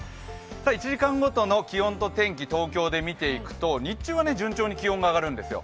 １時間ごとの気温と天気、東京で見ていくと日中は順調に気温が上がるんですよ。